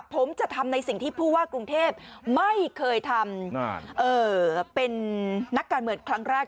ผมจะทำในสิ่งที่ผู้ว่ากรุงเทพไม่เคยทำเป็นนักการเมืองครั้งแรก